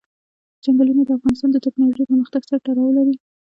چنګلونه د افغانستان د تکنالوژۍ پرمختګ سره تړاو لري.